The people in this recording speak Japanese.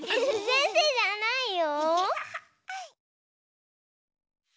せんせいじゃないよ。